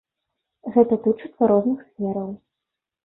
Гэта тычыцца розных сфераў.